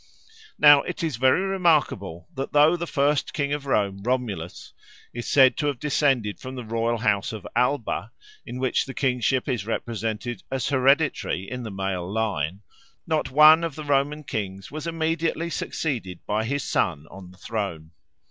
Now it is very remarkable that though the first king of Rome, Romulus, is said to have been descended from the royal house of Alba, in which the kingship is represented as hereditary in the male line, not one of the Roman kings was immediately succeeded by his son on the throne.